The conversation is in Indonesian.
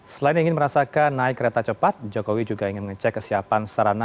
selain ingin merasakan naik kereta cepat jokowi juga ingin mengecek kesiapan sarana